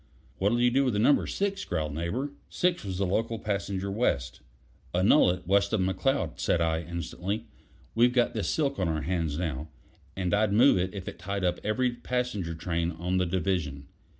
"What'll you do with Number Six?" growled Neighbor. Six was the local passenger west. "Annul it west of McCloud," said I instantly. "We've got this silk on our hands now, and I'd move it if it tied up every passenger train on the division.